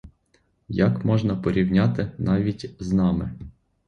Як можна порівняти навіть з нами?